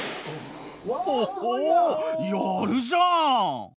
ほほやるじゃん！